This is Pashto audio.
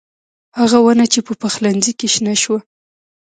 هغه ونه چې په پخلنخي کې شنه شوه